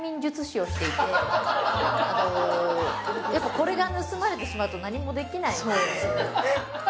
これが盗まれてしまうと何もできないんです。